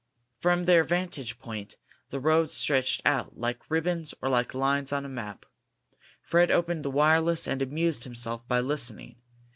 From their vantage point the roads stretched out like ribbons or like lines on a map. Fred opened the wireless and amused himself by listening.